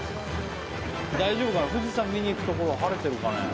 大丈夫かな富士山見に行くとこは晴れてるかね。